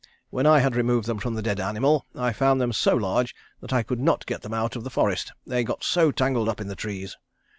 When I had removed them from the dead animal, I found them so large that I could not get them out of the forest, they got so tangled up in the trees.